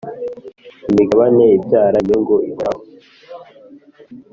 imigabane ibyara inyungu ihoraho